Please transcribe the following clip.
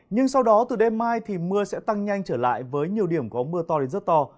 nhưng sau đó từ đêm mai thì mưa sẽ tăng nhanh trở lại với nhiều điểm có mưa to đến rất to